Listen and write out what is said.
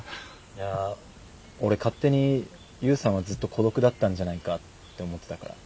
いや俺勝手に悠さんはずっと孤独だったんじゃないかって思ってたから。